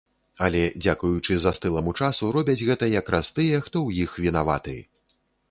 Але дзякуючы застыламу часу робяць гэта якраз тыя, хто ў іх вінаваты!